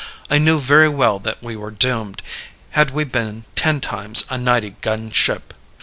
I knew very well that we were doomed, had we been ten times a ninety gun ship.